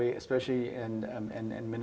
dan ketua penerbangan